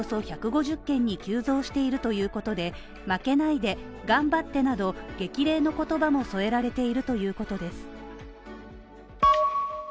一方で、町によると、ふるさと納税が例年の１０倍にあたるおよそ１５０件に急増しているということで、負けないで頑張ってなど激励の言葉も添えられているということです。